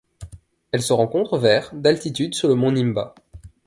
Elle se rencontre vers d'altitude sur le mont Nimba.